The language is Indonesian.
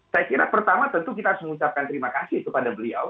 saya kira pertama tentu kita harus mengucapkan terima kasih kepada beliau